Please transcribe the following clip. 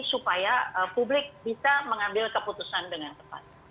supaya publik bisa mengambil keputusan dengan tepat